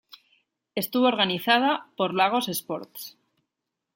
Estuvo organizada por Lagos Sports.